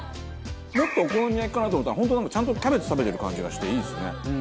もっとお好み焼きかなと思ったら本当なんかちゃんとキャベツ食べてる感じがしていいですね。